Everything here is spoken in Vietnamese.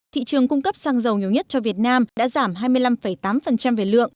thị trường cung cấp xăng dầu nhiều nhất cho việt nam đã giảm hai mươi năm tám về lượng